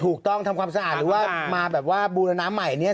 ทำความสะอาดหรือว่ามาแบบว่าบูรณาใหม่เนี่ย